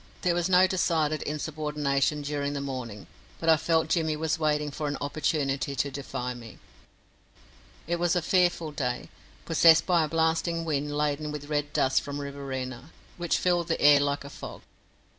There was no decided insubordination during the morning, but I felt Jimmy was waiting for an opportunity to defy me. It was a fearful day, possessed by a blasting wind laden with red dust from Riverina, which filled the air like a fog.